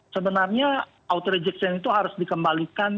sebenarnya auto rejection itu harus dikembangkan ya